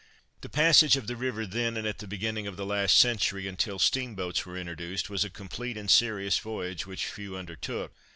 The passage of the river then and at the beginning of the last century, until steam boats were introduced, was a complete and serious voyage, which few undertook.